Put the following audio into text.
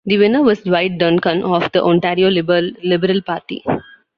The winner was Dwight Duncan of the Ontario Liberal Party.